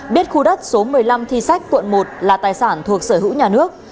biết khu đất số một mươi năm thi sách quận một là tài sản thuộc sở hữu nhà nước